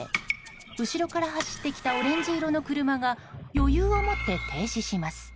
後ろから走ってきたオレンジ色の車が余裕を持って停止します。